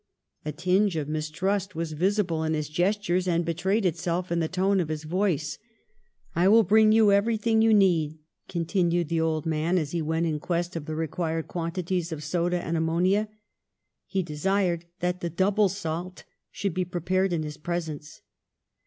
A tinge of mistrust was visi ble in his gestures and betrayed itself in the tone of his voice. ^I will bring you everything you need,' continued the old man as he went in quest of the required quantities of soda and ammonia. He desired that the double salt should be prepared in his presence.